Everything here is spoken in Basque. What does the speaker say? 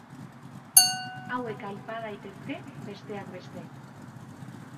Hauek aipa daitezke, besteak beste.